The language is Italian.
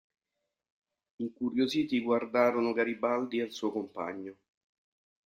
Incuriositi guardarono Garibaldi e il suo compagno.